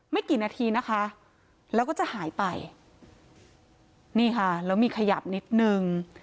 กี่นาทีนะคะแล้วก็จะหายไปนี่ค่ะแล้วมีขยับนิดนึง